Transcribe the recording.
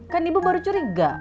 kan ibu baru curiga